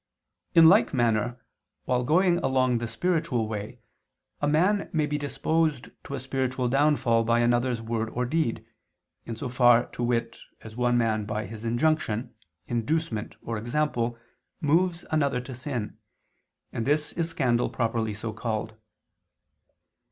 In like manner, while going along the spiritual way, a man may be disposed to a spiritual downfall by another's word or deed, in so far, to wit, as one man by his injunction, inducement or example, moves another to sin; and this is scandal properly so called.